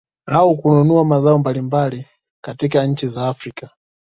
Au kununua mazao mbalimbali katika nchi za Afrika